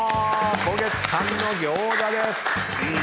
「湖月」さんの餃子です。